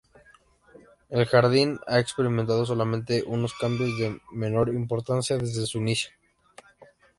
El jardín ha experimentado solamente unos cambios de menor importancia desde su inicio.